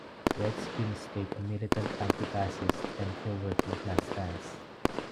Redskins take a militant anti-fascist and pro-working class stance.